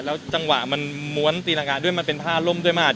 แล้วจังหวะมันม้วนทีละกาลด้วยมันเป็นผ้าล้มด้วยมา